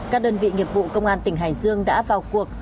các đơn vị nghiệp vụ công an tỉnh hải dương đã vào cuộc